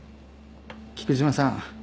菊島さん